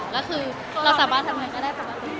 ก็คือเราสามารถทำอะไรก็ได้ประมาณนี้